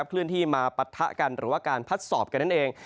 เคลื่อนที่มาปะทะกันหรือว่าการพัดสอบกันนั่นเอง